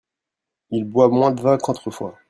Il boit moins de vin qu'autrefois.